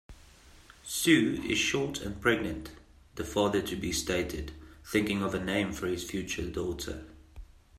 "Sue is short and pregnant", the father-to-be stated, thinking of a name for his future daughter.